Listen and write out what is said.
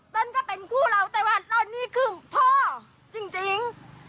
ก็เป็นคู่เราแต่ว่าเรานี่คือพ่อจริง